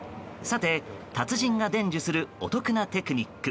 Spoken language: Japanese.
さて、達人が伝授するお得なテクニック。